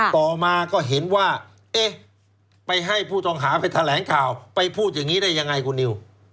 ต่อมาก็เห็นว่าเอ๊ะไปให้ผู้ต้องหาไปแถลงข่าวไปพูดอย่างนี้ได้ยังไงคุณนิว